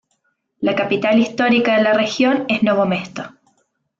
La capital histórica de la región es Novo Mesto.